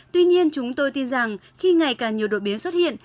tuy nhiên chúng tôi tin rằng khi ngày càng nhiều đột biến xuất hiện